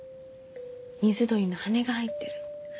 水鳥の羽根が入ってるの。